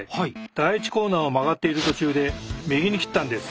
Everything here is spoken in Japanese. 第１コーナーを曲がっている途中で右に切ったんです。